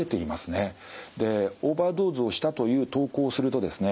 オーバードーズをしたという投稿をするとですね